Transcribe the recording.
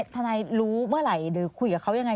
ทนายรู้เมื่อไหร่หรือคุยกับเขายังไง